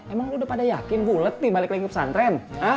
emang lo udah pada yakin gue letih balik lagi ke pesantren